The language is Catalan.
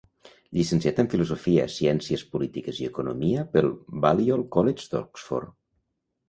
Llicenciat en Filosofia, Ciències Polítiques i Economia pel Balliol College d'Oxford.